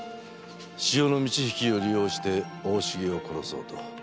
潮の満ち引きを利用して大重を殺そうと。